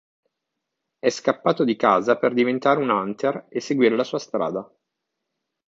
È scappato di casa per diventare un "hunter" e seguire la sua strada.